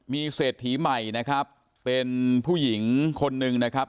มีเศรษฐีใหม่นะครับเป็นผู้หญิงคนหนึ่งนะครับ